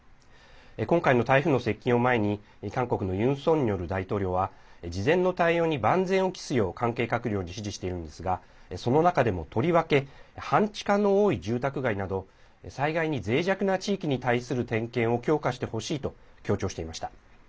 今回の台風の接近を前に韓国のユン・ソンニョル大統領は事前の対応に万全を期すよう関係閣僚に指示しているんですがその中でも、とりわけ半地下の多い住宅街など災害にぜい弱な地域に対する点検を強化してほしいと強調していました。